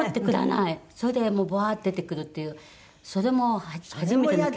それでもうブワーッて出てくるっていうそれも初めての。